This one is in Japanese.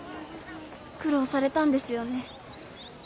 苦労されたんですよね。